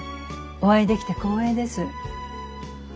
お会いできて光栄です。